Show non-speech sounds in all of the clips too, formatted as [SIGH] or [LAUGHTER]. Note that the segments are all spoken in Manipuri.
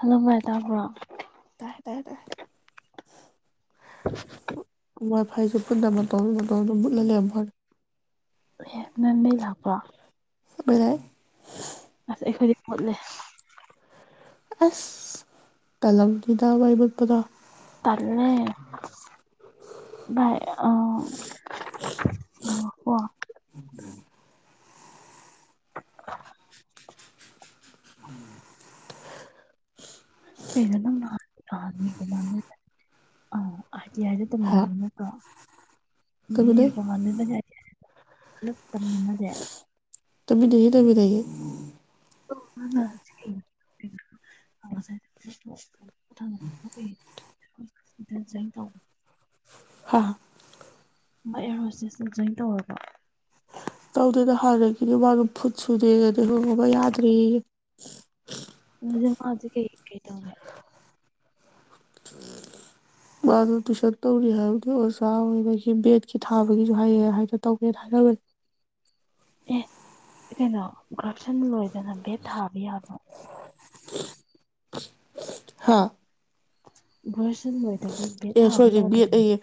ꯍꯜꯂꯧ ꯕꯥꯏ ꯇꯕ꯭ꯔꯣ ꯇꯥꯏ ꯇꯥꯏ ꯇꯥꯏ [INAUDIBLE] ꯋꯥꯏ ꯐꯥꯏꯁꯨ ꯄꯨꯜ [UNINTELLIGIBLE] [UNINTELLIGIBLE] [UNINTELLIGIBLE] ꯃꯨꯠꯂꯥ ꯂꯩꯔꯥꯝꯕꯥꯑꯣꯅꯤ ꯅꯣꯏ ꯃꯩ ꯂꯥꯛꯄ꯭ꯔꯣ ꯍꯣꯏ ꯂꯥꯏ ꯑꯁ ꯑꯩꯈꯣꯏꯗꯤ ꯃꯨꯠꯂꯤ ꯑꯁ ꯀꯂꯂꯝꯖꯤꯗ ꯃꯩ ꯃꯨꯠꯄꯗꯣ ꯇꯜꯂꯦ ꯚꯥꯏ ꯑ ꯑ ꯀꯣ [INAUDIBLE] ꯀꯩꯅ ꯅꯪ ꯅꯑ ꯑꯥ [UNINTELLIGIBLE] ꯑꯥꯔ ꯇꯤ ꯑꯥꯏꯗ ꯍꯥ ꯇꯝꯃꯤꯟꯅꯕꯗꯨ ꯅꯠꯇ꯭ꯔꯣ ꯇꯨꯃꯤꯟꯅꯩ ꯅꯤꯔꯨꯄꯥꯃꯥ [UNINTELLIGIBLE] ꯄꯨꯂꯞ ꯇꯝꯃꯤꯟꯗꯦ ꯇꯥꯃꯤꯟꯗꯦ ꯇꯥꯃꯤꯅꯗꯦ ꯃꯅꯥ [UNINTELLIGIBLE] ꯑ ꯕꯥꯏ ꯑꯏꯔ ꯍꯣꯁꯇꯦꯖꯇꯨ ꯖꯣꯏꯟ ꯇꯧꯔꯕꯣ ꯇꯧꯗꯦꯗ ꯍꯜꯔꯛꯒꯤꯗꯤ ꯃꯥꯗꯨ ꯐꯨꯠ ꯁꯨꯗꯦꯅꯗꯤ ꯍꯣꯡꯉꯨꯕ ꯌꯥꯗ꯭ꯔꯦ ꯍꯧꯖꯤꯛ ꯃꯥꯖꯤ ꯀꯩ ꯀꯩ ꯇꯧꯅꯦ ꯃꯥꯗꯣ ꯇꯨꯏꯁꯟ ꯇꯧꯔꯤ ꯍꯥꯏꯕꯗꯤ ꯑꯣꯖꯥ ꯑꯣꯏꯕꯒꯤ ꯕꯦꯠꯀꯤ ꯊꯥꯕꯒꯤꯁꯨ ꯍꯥꯏꯌꯦ ꯍꯥꯏꯅ ꯇꯧꯒꯦꯅ ꯍꯥꯏꯔꯅꯕꯅꯤ ꯑꯦ ꯀꯩꯅꯣ ꯀꯔꯞꯁꯟ ꯂꯣꯏꯗꯅ ꯕꯦꯠ ꯊꯥꯕ ꯌꯥꯕ꯭ꯔꯣ ꯍꯥꯥ ꯁꯟ ꯂꯣꯏꯗ ꯑꯦ ꯁꯣꯏꯒꯔꯦ ꯕꯦꯠ ꯑꯩꯌꯦ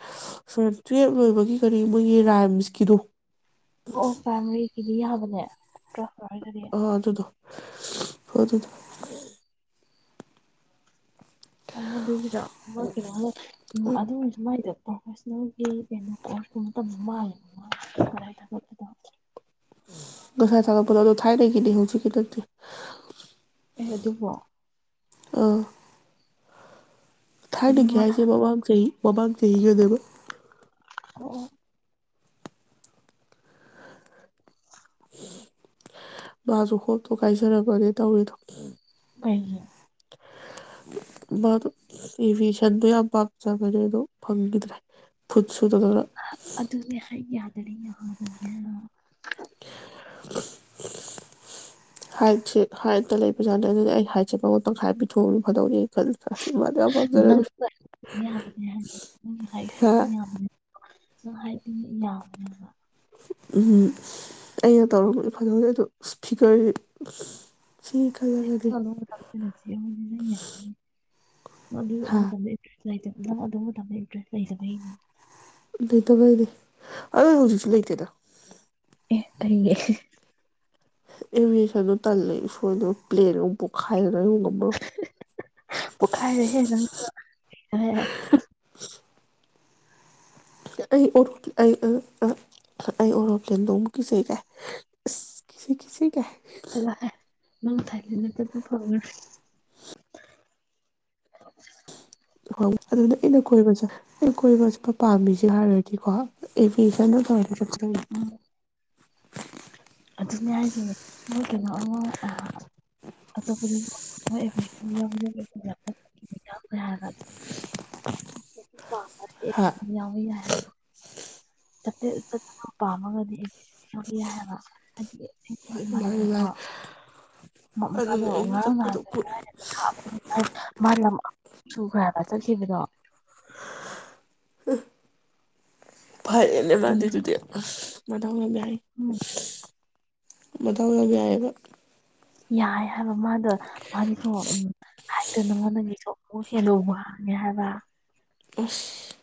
ꯁ ꯇꯨꯌꯦꯞ ꯂꯣꯏꯕꯒꯤ ꯀꯔꯤ ꯃꯣꯏꯒꯤ ꯔꯥꯏꯝꯁꯀꯤꯗꯣ ꯑꯣ ꯄꯥꯔꯥꯏꯃꯔꯤꯒꯤꯗꯨ ꯑꯗꯨ ꯌꯥꯕꯅꯦ ꯇ꯭ꯔꯣ ꯑ ꯑꯗꯨꯗꯨ ꯍꯣ ꯑꯗꯨꯗꯨ ꯎ ꯑꯗꯨꯒꯤꯗꯨ ꯎ ꯑꯗꯨ ꯁꯨꯃꯥꯏꯗ ꯄ꯭ꯔꯣꯐꯦꯁꯅꯦꯜꯒꯤ ꯀꯩꯅꯣ ꯀꯣꯔꯁ ꯃꯇꯝꯗ ꯃꯥꯜꯂꯦꯕ ꯃꯥ ꯊꯠꯄꯗ ꯉ ꯁꯥꯏ ꯊꯒꯠꯄꯗꯣ ꯑꯗꯣ ꯊꯥꯏꯅꯥꯒꯤꯅꯤ ꯍꯧꯖꯤꯛꯀꯤ ꯃꯇꯦ ꯑꯦ ꯑꯗꯨꯕꯣ ꯑ ꯑꯩꯗꯤ ꯊꯔꯅꯗꯒꯤ ꯃꯥ ꯍꯥꯏꯁꯦ ꯕꯕꯥꯪꯖꯩ ꯕꯥꯥꯛ ꯆꯍꯤꯖꯗꯕ ꯑꯣ ꯃꯥꯁꯨ ꯈꯣꯞꯇꯣ ꯀꯥꯏꯖꯔꯛꯄꯅꯦ ꯇꯧꯔꯤꯗꯣ ꯀꯦ ꯃꯥꯗꯣ ꯑꯦꯚꯌꯦꯁꯟꯗꯣ ꯌꯥꯝ ꯄꯥꯝꯖꯕꯅꯦ ꯑꯩꯗꯣ ꯐꯪꯈꯤꯗ꯭ꯔꯦ ꯁꯨꯗꯗꯅ ꯑꯗꯨꯅꯦ ꯍꯥꯏꯗ ꯀ ꯍꯥ ꯑꯗꯨꯅ [INAUDIBLE] ꯍꯥꯏꯠꯁꯦ ꯍꯥꯏꯠꯇ ꯂꯩꯕꯖꯥꯗ ꯑꯗꯨꯗꯤ ꯑꯩ ꯍꯥꯏꯠꯁꯦ ꯄꯪ ꯄꯪꯁ ꯍꯥꯏ ꯄꯤꯊꯣꯛꯎꯅꯤ ꯐꯥꯗꯣꯛꯔꯤ ꯗꯤ ꯍꯥ ꯍꯥꯏꯗꯤ ꯌꯥꯎꯕꯅꯦꯕ ꯎꯝ ꯑꯩꯅ ꯇꯧꯔꯝꯕꯗꯤ ꯐꯖꯩ ꯑꯗꯣ ꯏꯁꯄꯤꯤꯀꯔꯁ ꯁꯤ ꯌꯥ ꯃ ꯍꯥ ꯑꯗꯨꯦ ꯂꯩ ꯅꯪ ꯑꯗꯨꯕꯨꯗ ꯂꯩꯗ꯭ꯔꯦ ꯂꯩꯇꯕꯩꯅꯦ ꯂꯩꯇꯕꯩꯅꯦ ꯑꯗꯨ ꯍꯧꯖꯤꯛꯁꯨ ꯂꯩꯇꯦꯗ ꯑꯦ ꯀꯩꯌꯦ ꯑꯦꯃꯤ ꯁꯅ ꯇ ꯂꯩ ꯁꯣꯏꯅ ꯄ꯭ꯂꯦꯔꯕꯨ ꯈꯥꯏ ꯉ ꯀꯃ ꯑ ꯣꯠꯂꯤ ꯅꯣꯡ ꯀꯤꯁꯦꯒꯤꯁꯁꯤꯒ ꯂꯦ ꯅ ꯊꯥꯏ ꯐ ꯍ ꯑꯗꯨꯅ ꯑꯩꯅ ꯀꯣꯏꯕꯁ ꯑꯩꯅ ꯀꯣꯏꯕ ꯆꯠꯄ ꯄꯥꯝꯃꯤꯁꯦ ꯍꯥꯏꯔꯨꯔꯗꯤꯀꯣ ꯑꯦꯚꯁꯟ ꯇꯧꯔ ꯆꯠꯄ ꯇ ꯎꯝ ꯑꯗꯨꯅꯦ ꯍꯥꯏꯁꯦ ꯃꯣꯏ ꯀꯩꯅꯣ ꯑꯃ ꯑꯇꯣꯞꯄ ꯍꯥꯏ ꯋꯥ ꯑꯦ ꯀꯁ ꯍꯥꯏ ꯍꯥ ꯆꯄꯦ ꯆꯠꯄꯗꯣ ꯄꯥꯝꯃꯒꯗꯤ ꯑꯩ ꯍꯥꯏꯕ ꯍꯥꯏꯗꯤ ꯑꯩꯒꯤꯗꯣ ꯃꯥꯅ ꯃꯗꯣ ꯑꯗꯨꯅ ꯑꯩꯅ ꯉꯔꯥꯡ ꯆꯠꯄꯗꯣ ꯉꯥꯟꯗ ꯂꯥꯏꯔꯒ ꯊꯥꯕ ꯃꯥ ꯂꯝꯁꯨꯨ ꯈꯔꯒ ꯆꯠꯈꯤꯕꯗꯣ ꯐꯔꯦꯅꯦ ꯃꯥꯥꯟꯗꯦ ꯑꯗꯨꯒꯤꯅꯦ ꯑꯗꯨꯗꯤ ꯃꯊ [INAUDIBLE] ꯎꯝ ꯃꯗꯕꯏꯑꯕ ꯌꯥꯏ ꯍꯥꯏꯕ ꯃꯥꯗꯣ ꯃꯥꯒꯤꯁꯨ ꯍꯥꯏꯇ ꯅꯉꯣꯟꯗꯒꯤꯁꯨ ꯑꯃꯨꯛ ꯍꯦꯟꯅ ꯋꯥꯡꯉꯦ ꯍꯥꯏꯕ ꯑꯣꯐ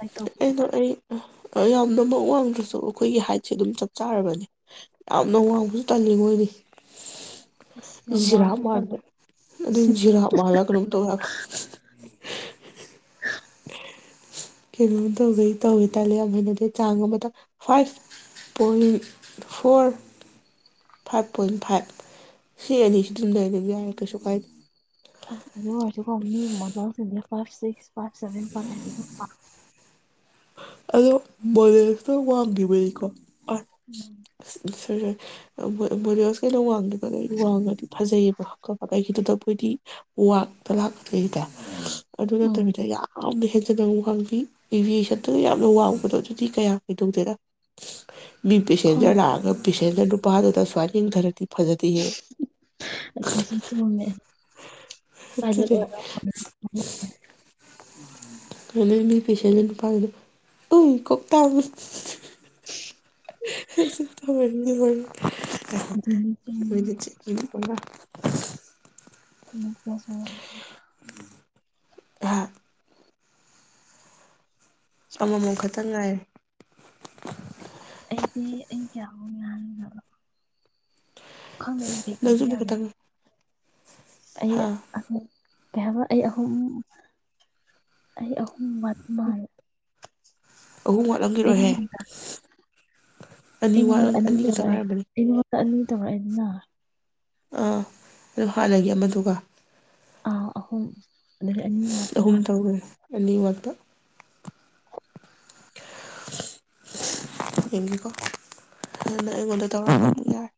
ꯑ [INAUDIBLE] ꯌꯥꯝꯅꯃꯛ ꯋꯥꯡꯗ꯭ꯔꯁꯨ ꯑꯩꯈꯣꯏꯒꯤ ꯍꯥꯏꯠꯁꯦ ꯑꯗꯨꯝ ꯆꯞ ꯆꯥꯔꯕꯅꯦ ꯌꯥꯝꯅ ꯋꯥꯡꯕꯁꯨ ꯇꯜꯂꯤ ꯑꯩꯅꯤ ꯑꯁ ꯌꯥꯝ ꯖꯤꯔꯥ ꯋꯥꯡꯉꯁꯨ ꯇꯜꯂꯦ ꯃꯥꯜꯕꯅꯦ ꯑꯗꯨꯝ ꯖꯤꯔꯥ ꯃꯥꯜꯂ ꯀꯩꯅꯣꯝ ꯇꯧꯋꯦꯕ ꯀꯩꯅꯣꯝ ꯇꯧꯒꯩ ꯇꯧꯋꯦ ꯇꯜꯂꯦ ꯌꯥꯝ ꯍꯦꯟꯅꯗꯦ ꯆꯥꯡ ꯑꯃꯗ five point four five point five ꯁꯤ ꯑꯅꯤꯁꯤ ꯑꯗꯨꯝ ꯂꯩꯕ ꯌꯥꯔꯦ ꯀꯩꯁꯨ ꯀꯥꯏꯗꯦ ꯑ ꯑꯗꯨ [INAUDIBLE] [INAUDIBLE] ꯑꯗꯣ ꯃꯣꯔꯦ ꯑ ꯋꯥꯡꯈꯤꯕꯅꯤꯀꯣ ꯑ ꯑꯗꯨꯝ [INAUDIBLE] ꯐꯖꯩꯌꯦꯕꯕ ꯀꯩꯒꯤꯗꯨꯗ ꯃꯈꯣꯏꯗꯤ ꯋꯥꯡꯅ ꯂꯥꯛꯀꯗꯣꯏꯗ ꯑꯗꯨ ꯎꯝ ꯎꯝ ꯅꯠꯇꯕꯤꯗ ꯌꯥꯝ ꯌꯥꯝ ꯍꯦꯟꯖꯅ ꯋꯥꯡꯕꯤ ꯑꯦꯚꯌꯦꯁꯟꯗ ꯪ ꯌꯥꯝꯅ ꯋꯥꯡꯕꯗꯣ ꯑꯗꯨꯗꯤ ꯀꯌꯥ ꯀꯩꯗꯧꯗꯦꯗ ꯃꯤ ꯄꯦꯁꯦꯟꯖꯔ ꯈꯪꯗꯦ ꯂꯥꯛꯑꯒ ꯄꯦꯁꯦꯟꯖꯔ ꯅꯨꯄꯥꯗꯨꯗ ꯁꯨꯃꯥꯏ ꯌꯦꯡꯗꯔꯥꯅꯤ ꯑꯗꯨꯅꯦ [INAUDIBLE] [UNINTELLIGIBLE] ꯎꯝ ꯀꯣꯛꯇꯥꯡ [INAUDIBLE] [INAUDIBLE] ꯑꯗꯨꯅꯤ ꯆꯨꯝꯃꯦ [INAUDIBLE] [INAUDIBLE] ꯍꯥꯏ ꯑꯃꯃꯝ ꯑꯁ ꯈꯛꯇꯪ ꯉꯥꯏꯔꯦ [INAUDIBLE] ꯑꯩꯗꯤ ꯑꯩ ꯀꯌꯥꯝꯅꯣ ꯍꯥꯏ [INAUDIBLE] ꯈꯪꯗ ꯑꯩ ꯀꯩ ꯅꯪꯁꯨ ꯇꯧꯅꯤ ꯑꯃꯨꯛ ꯌꯥꯗꯦ ꯈꯛꯇꯪ ꯑꯩ ꯍꯥ ꯑ ꯀꯩ ꯍꯥꯌꯕꯥ ꯑꯩ ꯑꯍꯨꯝ ꯑꯩ ꯑꯍꯨꯝ ꯋꯥꯗ ꯃꯜꯂꯦ ꯑꯍꯨꯝ ꯋꯥꯠꯂꯝꯒꯤꯔꯣꯏ ꯌꯦ ꯑꯩꯉꯣꯟꯗꯥ ꯑꯅꯤ ꯁꯨꯕꯅꯦ ꯑꯅꯤ ꯇꯧꯔꯛ ꯏꯅꯥ ꯑꯥ ꯍꯥꯟꯅꯒꯤ ꯑꯃꯗꯨꯒ ꯑ ꯑꯍꯨꯝ ꯑꯅꯤ ꯉꯥꯛꯇ ꯑꯍꯨꯝ ꯃꯥꯜꯂꯦ ꯇꯧꯒꯦ ꯑꯅꯤꯃꯛꯇ ꯌꯦꯡꯒꯦꯀꯣ [UNINTELLIGIBLE] [UNINTELLIGIBLE]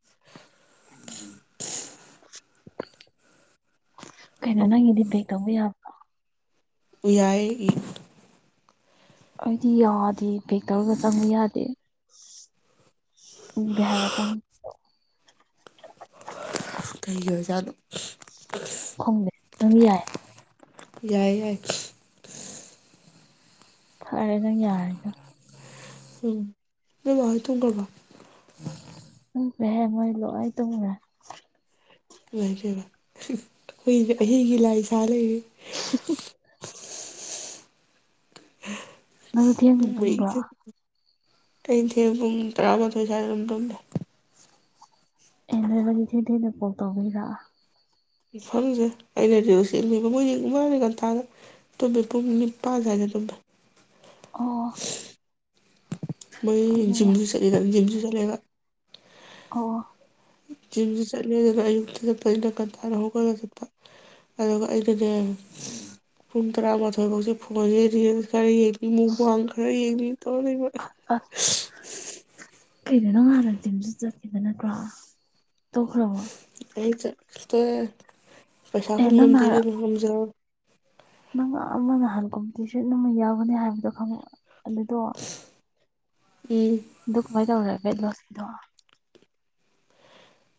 ꯀꯩꯅꯣ ꯅꯪꯒꯤꯗꯤ [UNINTELLIGIBLE] ꯇꯧꯕ ꯌꯥꯕ꯭ꯔꯥ ꯌꯥꯏꯌꯦ ꯑꯩꯗꯤ ꯌꯥꯗꯦ ꯄꯦꯛ ꯇꯧꯔꯒ ꯆꯪꯕ ꯌꯥꯗꯦ ꯎꯗꯦ ꯍꯥꯏꯕ ꯆꯪꯕꯗꯣ ꯀꯩꯒꯤ ꯑꯣꯏꯖꯥꯠꯅꯣ ꯈꯪꯗꯦ ꯅꯪꯒꯤ ꯌꯥꯏ ꯌꯥꯏ ꯌꯥꯏ ꯐꯔꯦꯗ ꯅꯪ ꯌꯥꯔꯦꯗ ꯎꯝ ꯅꯣꯏ ꯃꯥꯍꯣꯏ ꯇꯨꯝꯒꯔꯕꯣ [UNINTELLIGIBLE] ꯃꯣꯏ ꯂꯣꯏ ꯇꯨꯝꯒꯔ꯭ꯦ [UNINTELLIGIBLE] ꯑꯩꯈꯣꯏ ꯑꯩꯗꯤ ꯂꯥꯏ ꯁꯥ ꯂꯩꯔꯤ ꯅꯪꯖꯨ ꯊꯦꯡꯅ ꯇꯨꯝꯕ꯭ꯔꯣ ꯑꯩꯁꯦ ꯄꯨꯡ ꯇꯔꯥꯃꯥꯊꯣꯏ ꯁ꯭ꯋꯥꯏꯗ ꯑꯗꯨꯝ ꯇꯨꯝꯃꯦ [UNINTELLIGIBLE] [UNINTELLIGIBLE] [UNINTELLIGIBLE] [UNINTELLIGIBLE] ꯃꯣꯢꯗꯤ ꯉꯥꯟꯇꯥꯗ ꯇꯨꯝꯃꯦ ꯄꯨꯡ ꯅꯤꯄꯥꯟ ꯁꯋꯥꯏꯗ ꯇꯨꯝꯃꯦ ꯑꯣ [UNINTELLIGIBLE] ꯑꯗꯨꯒꯤꯅꯦ [UNINTELLIGIBLE] [UNINTELLIGIBLE] ꯑꯣ ꯖꯤꯝꯁꯨ ꯆꯠꯂꯦꯗꯅ ꯑꯌꯨꯛꯇ ꯆꯠꯄꯅꯤꯅ ꯉꯥꯟꯇꯥꯥꯅ ꯍꯧꯒꯠꯂꯥ ꯆꯠꯄ ꯑꯗꯨꯒ ꯑꯩꯅꯅꯦ ꯄꯨꯡ ꯇꯔꯥꯃꯥꯊꯣꯏꯐꯧꯁꯦ ꯐꯣꯟꯁꯦ ꯌꯦꯡ ꯃꯨꯛꯕꯥꯡ ꯈꯔ ꯌꯦꯡꯅꯤ ꯑꯁ [UNINTELLIGIBLE] ꯀꯩꯅꯣ ꯅꯪ ꯍꯥꯟꯅ ꯖꯤꯝꯁꯨ ꯆꯠꯈꯤꯗ ꯅꯠꯇ꯭ꯔꯣ ꯇꯣꯈ꯭ꯔꯕꯣ [UNINTELLIGIBLE] ꯄꯩꯁꯥ ꯑꯦ ꯍꯨꯟ ꯅꯪ ꯉꯝꯗ ꯅꯍꯥꯟ ꯏꯕꯦꯃꯥ [UNINTELLIGIBLE] ꯅꯪ ꯑꯃ ꯅꯍꯥꯟ ꯀꯣꯝꯄꯤꯇꯤꯁꯟ ꯑꯃ ꯌꯥꯎꯒꯅꯤ ꯍꯥꯏꯕꯗꯣ ꯈꯪꯉ ꯑꯗꯨꯗꯣ ꯎꯝ ꯗꯨ ꯀꯃꯥꯏ ꯇꯧꯈꯔꯒꯦ ꯑꯗꯣ ꯗꯣ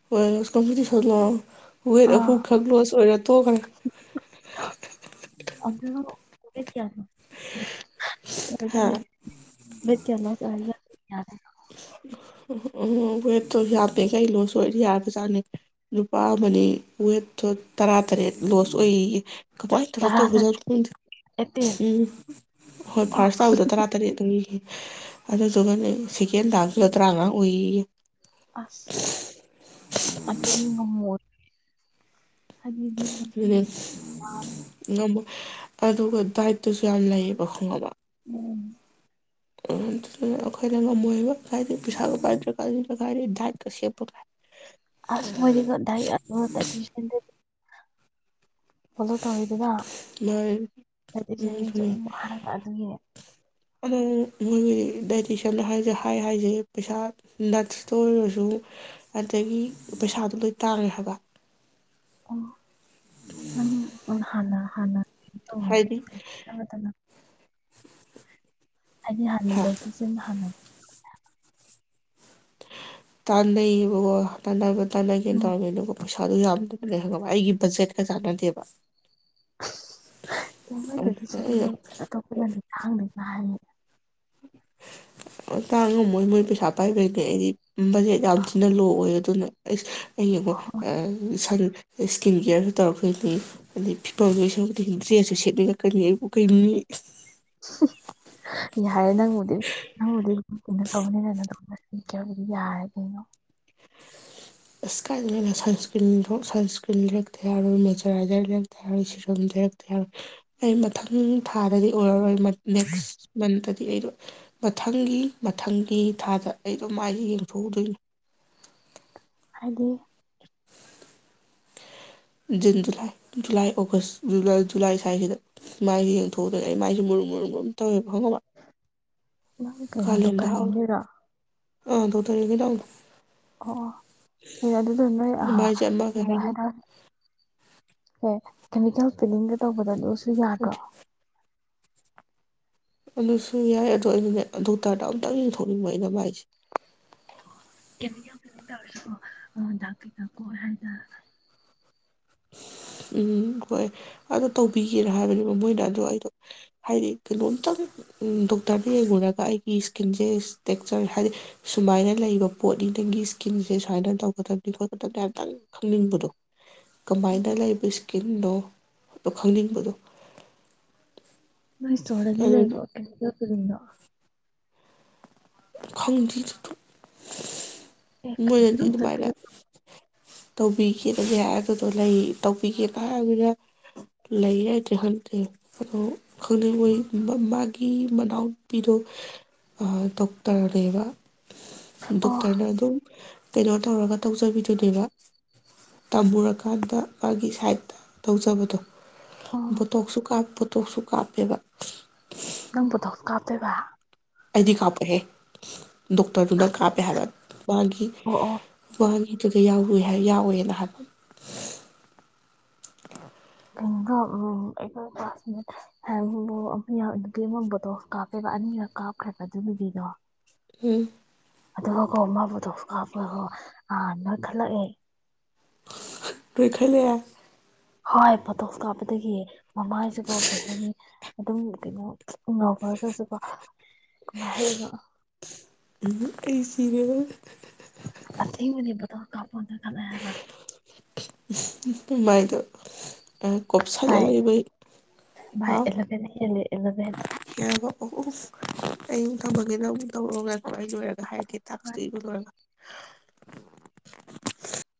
ꯍꯣꯏ [UNINTELLIGIBLE] ꯋꯦꯠ ꯑꯥ ꯑꯍꯨꯝ ꯈꯛ ꯂꯣꯁ ꯑꯣꯏꯔ ꯇꯣꯛꯈ꯭ꯔꯦ [UNINTELLIGIBLE] [UNINTELLIGIBLE] [UNINTELLIGIBLE] ꯍꯥ ꯋꯦꯠ ꯀꯌꯥ ꯂꯣꯁ ꯑꯣꯏꯔꯒꯥ [UNINTELLIGIBLE] [UNINTELLIGIBLE] [UNINTELLIGIBLE] [UNINTELLIGIBLE] ꯌꯥꯕꯖꯥꯠꯅꯤ ꯅꯨꯄꯥ ꯑꯃꯅꯤ ꯋꯦꯠ ꯇꯔꯥ ꯇꯔꯦꯠ ꯂꯣꯁ ꯑꯣꯏꯌꯦꯌꯦ ꯀꯃꯥꯏꯅ ꯇꯧꯔ ꯇꯔꯥ ꯇꯧꯖ ꯁꯚꯦꯟ ꯎꯝ ꯑꯦꯠꯇꯤꯟ ꯍꯣꯏ ꯑꯣ ꯐꯥꯔꯁ ꯇꯥꯕꯗ ꯇꯔꯥ ꯇꯔꯦꯠ ꯑꯗꯨꯝ ꯑꯗꯨꯗꯨꯒ ꯁꯤꯀꯦꯟꯗꯥꯥꯡ ꯐꯇ꯭ꯔꯥꯉ ꯑꯣꯏ ꯑꯁ ꯑ ꯉꯃ ꯍꯥꯏꯗꯤ ꯑꯗꯨꯅꯦ ꯉꯝꯃꯣꯏ ꯑꯗꯨꯒ ꯗꯥꯏꯠꯇꯁꯨ ꯌꯥꯝ ꯂꯩꯌꯦꯕ ꯈꯪꯗ ꯎꯝ ꯑꯩꯈꯣꯌꯅꯥ ꯉꯝꯃꯣꯏꯟꯕ ꯀꯗꯥꯏꯗꯒꯤ ꯄꯩꯁꯒꯥ ꯄꯥꯏꯗꯔꯥ ꯀꯟꯁꯤꯗ ꯗꯣꯏꯠ ꯑꯁ ꯃꯔꯤꯗꯥ ꯄꯣꯂꯣ ꯇꯧꯋꯤꯗꯨꯅ ꯃꯥꯅꯦ ꯍꯥꯏꯗꯤꯁꯨ ꯎꯝ ꯃꯤꯁꯨ ꯑꯗꯨꯅꯦ ꯑꯗꯨꯝ ꯑꯃꯨꯛ ꯍꯥꯏꯔꯂ ꯑꯗꯨꯒꯤ ꯑꯗꯣ ꯃꯣꯏꯒꯤ ꯗꯥꯏꯇꯁꯤꯟ ꯍꯥꯏꯁꯦ ꯍꯥꯏ ꯍꯥꯏꯁꯦ ꯄꯩꯁꯥ ꯅꯠꯁꯇ ꯑꯣꯏꯔꯁꯨ ꯑꯗꯒꯤ ꯄꯩꯁꯥꯗꯣ ꯂꯣꯏ ꯇꯥꯡꯉꯦ ꯍꯥꯏꯕ ꯑꯣ ꯎ ꯍꯅ ꯍꯅ ꯍꯥꯏꯗꯤ ꯑꯣ ꯍꯥꯏꯗꯤ ꯍꯥ ꯍꯥꯔꯂꯗꯁꯤꯁꯟ ꯍꯅ ꯇꯥꯟꯅꯩꯕꯣ ꯇ ꯇꯥꯏ ꯂ ꯂꯩꯒꯦ ꯎꯝ ꯇꯇꯧꯕꯦꯂꯕꯜ ꯄꯩꯁꯥꯗꯨꯣ ꯌꯥꯝꯗꯕꯅꯦ ꯈꯪꯉꯕ ꯑꯩꯒꯤ ꯕꯖꯦꯠꯀ ꯆꯥꯟꯅꯗꯦꯕ ꯑꯦ ꯃꯣꯏꯗꯗꯤ ꯆꯅꯤꯉꯣꯏ ꯑꯇꯣꯞꯄꯗꯗꯤ ꯈꯥꯡꯅꯤꯅ ꯍꯥꯏꯌꯦ ꯇꯥꯡꯉꯝꯃꯣꯏ ꯃꯣꯏ ꯄꯩꯁꯥ ꯄꯥꯏꯕꯩꯅꯦ ꯑꯩꯗꯤ ꯕꯖꯦꯠ ꯌꯥꯝ ꯊꯤꯅ ꯂꯣ ꯑꯣꯏ ꯑꯗꯨꯅ ꯑꯩꯁ ꯑꯩꯡꯉꯣ ꯁꯟ ꯏꯁꯀꯤꯟ ꯀꯦꯌꯥꯔꯁꯨ ꯇꯧꯔꯛꯀꯅꯤ ꯑꯗꯩ ꯐꯤꯄꯝ ꯂꯣꯏ ꯁꯧꯔꯛꯀꯣꯏꯅꯤ ꯗ꯭ꯔꯦꯁꯁꯨ ꯁꯦꯠꯅꯔꯛꯀꯅꯤꯕꯨ ꯀꯩꯅꯤ ꯌꯥꯔꯦ ꯅꯪꯕꯨꯗꯤ ꯅꯪꯕꯨꯗꯤ ꯀꯩꯅꯣ ꯇꯧꯕꯅꯤꯅꯅ ꯑꯗꯨꯝꯗꯤ ꯌꯥꯔꯦ ꯀꯩꯅꯣ ꯑꯁ ꯀꯥꯏꯉꯅ ꯁꯟꯁꯀ꯭ꯔꯤꯟ ꯁꯟꯁꯀ꯭ꯔꯤꯟ ꯂꯩꯔꯛꯇ ꯌꯥꯔꯣꯏ ꯃꯣꯏꯆꯔꯥꯏꯖꯔ ꯂꯩꯔꯛꯇ ꯌꯥꯔꯣꯏ ꯁꯤꯔꯨꯝ ꯂꯩꯔꯛꯇ ꯌꯥꯔꯣꯏ ꯑꯩ ꯃꯊꯪ ꯊꯥꯗꯗꯤ ꯑꯣꯏꯔꯔꯣꯏ ꯅꯦꯛꯁ ꯃꯟꯇꯗꯤ ꯑꯩꯗꯣ ꯃꯊꯪꯒꯤ ꯃꯊꯪꯒꯤ ꯊꯥꯗ ꯑꯩꯗꯣ ꯃꯥꯏꯁ ꯌꯦꯡꯊꯣꯛꯎꯗꯣꯏꯅꯤ ꯍꯥꯏꯗꯤ June July July August July ꯁ꯭ꯋꯥꯏꯁꯤꯗ ꯁꯥꯏꯁꯤꯦ ꯌꯦꯡꯊꯣꯛꯑꯗꯅ ꯑꯩ ꯃꯥꯏꯁꯦ ꯃꯔꯨꯝ ꯃꯔꯨꯝ ꯃꯔꯨꯝ ꯇꯧꯋꯦꯕ ꯈꯪꯉꯕ ꯅꯪ ꯀꯩꯅꯗꯨ ꯀꯥꯂꯦꯟꯗ ꯀꯥꯥꯟ ꯍꯥꯞꯄ ꯂꯩꯔ ꯑꯥ ꯗꯣ ꯇꯔꯤꯛꯒꯤꯅꯎꯅ ꯑꯣ ꯑꯣ ꯑꯗꯨ ꯑꯗꯨꯗ ꯅꯣꯏ ꯑ ꯃꯥꯏꯁꯦ ꯑꯃ ꯀꯩ ꯀꯩꯅꯣ ꯍꯥꯏꯅꯤ ꯍꯥꯏꯔꯑꯦ ꯍ ꯀꯦꯦꯜ ꯄꯤꯒꯦ ꯇꯗ ꯁꯤ ꯌꯥꯗꯣ ꯑꯗꯨꯁꯨ ꯌꯥꯏ ꯑꯗꯣ ꯑꯩꯅꯅꯦ ꯗꯣꯛꯇꯔꯗ ꯑꯝꯇꯪ ꯌꯦꯡꯊꯣꯛꯅꯤꯡꯕ ꯑꯩꯅ ꯃꯥꯏꯁꯦ ꯆꯦꯃꯤꯅꯂ ꯁꯤꯪꯅꯥ ꯊꯀꯣ ꯍꯥꯏꯗꯥ ꯎꯝ ꯍꯣꯏ ꯑꯗꯣ ꯇꯧꯕꯤꯒꯦꯅ ꯍꯥꯏꯕꯅꯦꯕ ꯃꯣꯏꯅ ꯑꯗꯣ ꯑꯩꯗꯣ ꯍꯥꯏꯗꯤ ꯀꯩꯅꯣꯝꯇꯪ ꯗꯣꯛꯇꯔꯅ ꯌꯦꯡꯉꯨꯔꯒ ꯑꯩꯒꯤ ꯏꯁꯀꯤꯟꯁꯦ ꯏꯁꯇꯦꯛꯆꯔ ꯍꯥꯏꯗꯤ ꯁꯨꯃꯥꯏꯅ ꯂꯩꯕ ꯄꯣꯠꯅꯤ ꯅꯪꯒꯤ ꯏꯁꯀꯤꯟꯁꯦ ꯁꯨꯃꯥꯏꯅ ꯇꯧꯒꯗꯕꯅꯤ ꯈꯣꯠꯀꯗꯕꯅꯤ ꯑꯝꯇꯪ ꯈꯪꯅꯤꯡꯕꯗꯣ ꯑꯣ ꯀꯃꯥꯏꯅ ꯑꯣ ꯂꯩꯕ ꯏꯁꯀꯤꯟꯗꯣ ꯑꯗꯣ ꯈꯪꯅꯤꯡꯕꯗꯣ ꯑꯗꯨꯅ [UNINTELLIGIBLE] [UNINTELLIGIBLE] ꯈꯪꯗꯤꯗꯨꯗꯣ ꯑꯦ ꯀꯩꯅꯣ ꯃꯣꯏꯅꯗꯤ ꯅꯪ ꯑꯗꯨꯃꯥꯏꯅ ꯆꯠꯄ ꯇꯧꯕꯤꯒꯦꯗ ꯌꯥꯏ ꯑꯗꯨꯗꯣ ꯂꯩ ꯇꯧꯕꯤꯒꯦꯀ ꯍꯥꯏꯕꯗ ꯂꯩ ꯂꯩꯇ꯭ꯔꯤ ꯈꯪꯗꯦ ꯑꯗꫭ ꯈꯪꯗꯦ ꯂꫭꯏ [UNINTELLIGIBLE] ꯒꯤ ꯃꯅꯥꯎꯄꯤꯗꫭ ꯑꯥ ꯗꯣꯛꯇꯔꯅꯦꯕ ꯑꯣ ꯗꫭꯛꯇꯔꯅꯦ ꯑꯗꯨ ꯀꯩꯅꯣ ꯇꯧꯔꯒ ꯇꯧꯖꯕꯤꯗꯨꯅꯦꯕ ꯇꯝꯃꯨꯔꯀꯥꯟꯗ ꯃꯥꯒꯤ ꯁꯥꯏꯠꯇ ꯇꯧꯖꯕꯗꯣ ꯑꯣ ꯕꫭꯇꯣꯛꯁꯨ ꯀꯥꯞꯄꯨ ꯇꯣꯛꯁꯨ ꯀꯥꯞꯄꯦꯕ [UNINTELLIGIBLE] ꯅꯪ ꯕꯨꯇꫭꯛꯁ ꯀꯥꯞꯇꫭꯏꯕꯥ ꯑꯗꯨ ꯈꯥꯞꯄꫭꯏꯍꯦ ꯗꯣꯛꯇꯔꯗꯨꯅ ꯀꯥꯞꯄꯦ ꯍꯥꯏꯕ ꯃꯥꯒꯤ ꯑꯣ ꯑꯣ ꯃꯥꯒꯤ ꯗꯨꯒꯤ ꯌꯥꯎꯔꯨꯏ ꯍꯥꯏ ꯌꯥꯎꯋꯦꯅ ꯍꯥꯏꯕ [UNINTELLIGIBLE] ꯑꯩꯈꫭꯏ ꯀ꯭ꯂꯥꯁꯃꯦꯠ [UNINTELLIGIBLE] ꯕꫭꯇꫭꯛꯁ ꯀꯥꯞꯄꯦꯕ ꯑꯅꯤꯔꯛ ꯀꯥꯞꯈ꯭ꯔꯦꯕ ꯑꯗꯨꯅꯨꯄꯤꯗꯣ ꯍꯨꯝ ꯑꯗꯨꯒ ꯀꫭ ꯃꯥ ꯕꫭꯗꯣꯛꯁ ꯀꯥꯞꯄꯒꯀꫭ ꯅꯣꯏ ꯈꯠꯂꯛꯑꯦ [UNINTELLIGIBLE] ꯅꫭꯏꯈꯠꯂꯛꯑꯦ ꯍꫭꯏ ꯄꯣꯇꯣꯛꯁ ꯀꯥꯞꯄꯗꯒꯤ ꯃꯃꯥꯏꯁꯨꯀꫭ ꯀꯩ ꯍꯥꯏꯅꯤ ꯑꯗꯨꯝ ꯀꯩꯅꯣ ꯎꯝ ꯉꯥꯎꯈ꯭ꯔꯒꯁꯨꯀꯣ ꯀꯃꯥꯏꯅ ꯍꯥꯏꯔꯤꯅꯣ ꯎꯝ ꯑꯩ ꯁꯤꯔꯦꯗ ꯇ ꯀꯥꯄꫭꯟꯗ ꯅꫭꯏꯈꯠꯂꯦ ꯍꯥꯏꯕ [UNINTELLIGIBLE] ꯃꯥꯏꯗ ꯑ ꯀꯣꯞ ꯁꯥꯜꯂ ꯕꯥꯏ ꯂꯩꯕꯩ ꯕꯥꯏ ꯍꯥꯎ ꯑꯦꯂꯚꯦꯟ ꯍꯦꯜꯂꯦ ꯑꯦꯂꯚꯦꯟ ꯀꯩꯍꯥꯏꯕ ꯑꯍꯨ ꯑꯍꯨ ꯑꯩ ꯑꯃꯨꯛ ꯊꯝꯃꯒꯦ ꯅꯪ ꯃꯨꯛ ꯇꯧꯔꯛꯑꫭ ꯉꯥꯏꯈꫭ ꯑꯩ ꯂꫭꯏꯔ ꯍꯥꯏꯔꯛꯀꯦ ꯍꯣꯏ ꯇꯥꯛꯁꯇꯨ ꯏꯕ ꯂꯣꯏꯔꯒ [UNINTELLIGIBLE]